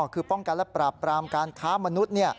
คือป้องกันและปราบปรามการค้ามนุษย์